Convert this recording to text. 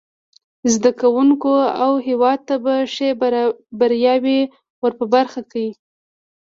زده کوونکو او هیواد ته به ښې بریاوې ور په برخه کړي.